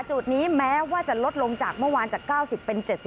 จุดนี้แม้ว่าจะลดลงจากเมื่อวานจาก๙๐เป็น๗๐